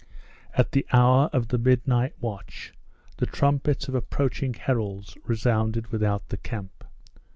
At the hour of the midnight watch, the trumpets of approaching heralds resounded without the camp.